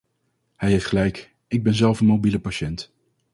Hij heeft gelijk: ik ben zelf een mobiele patiënt.